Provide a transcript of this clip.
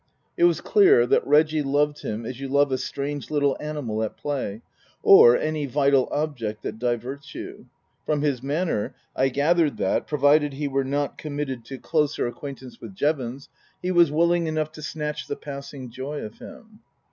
It was clear that Reggie loved him as you love a strange little animal at play, or any vital object that diverts you. From his manner I gathered that, provided he were not committed to closer 44 Tasker Jevons acquaintance with Jevons, he was willing enough to snatch the passing joy of him.